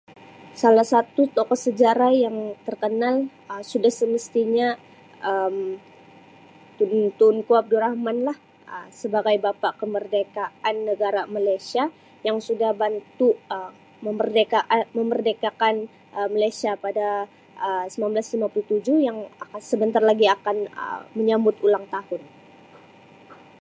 Salah satu tokoh sejarah yang terkenal Um suda semestinya Um Tun-Tunku Abdul Rahman lah Um sebagai bapa kemerdekaan negara Malaysia yang sudah bantu Um memerdeka-memerdekakan Um Malaysia pada Um sembilan belas lima puluh tujuh Um sebentar lagi akan Um menyambut ulang tahun.